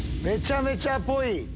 めちゃめちゃぽい！